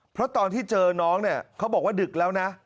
เพราะตอนที่เจอน้องเนี่ยเขาบอกว่าดึกแล้วนะ